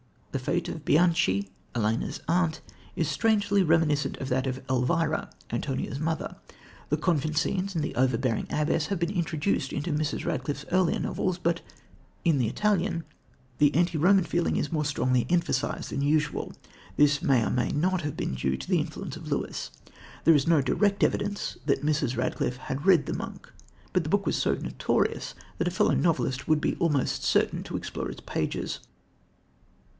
The fate of Bianchi, Ellena's aunt, is strangely reminiscent of that of Elvira, Antonia's mother. The convent scenes and the overbearing abbess had been introduced into Mrs. Radcliffe's earlier novels; but in The Italian, the anti Roman feeling is more strongly emphasised than usual. This may or may not have been due to the influence of Lewis. There is no direct evidence that Mrs. Radcliffe had read The Monk, but the book was so notorious that a fellow novelist would be almost certain to explore its pages.